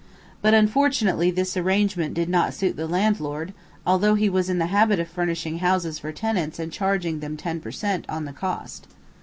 But unfortunately this arrangement did not suit the landlord, although he was in the habit of furnishing houses for tenants and charging them ten per cent. on the cost.